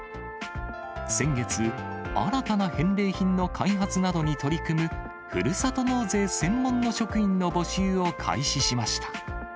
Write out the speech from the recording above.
先月、新たな返礼品の開発などに取り組む、ふるさと納税専門の職員の募集を開始しました。